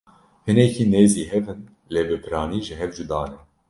Hinekî nêzî hev in lê bi piranî ji hev cuda ne.